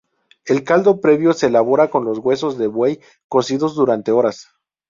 El caldo previo se elabora con los huesos de buey cocidos durante horas.